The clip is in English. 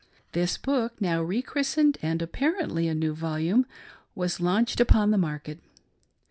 This book, now re christened, and apparently a new volume, was launched upon the market.